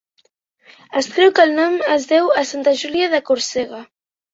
Es creu que el nom es deu a Santa Júlia de Còrsega.